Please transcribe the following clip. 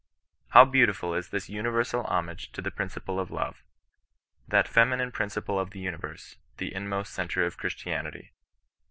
IIow heautiful is this universal homage to the principle of love !— that feminine principle of the universe, the inmost cen tre of Christianity.